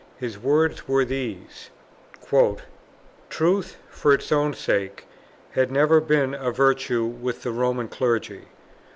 His words were these: "Truth, for its own sake, had never been a virtue with the Roman clergy.